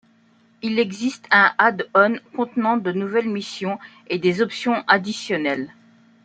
Il existe un add-on contenant de nouvelles missions et des options additionnelles.